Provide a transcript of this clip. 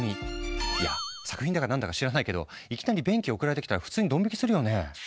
いや作品だか何だか知らないけどいきなり便器送られてきたら普通にどん引きするよね。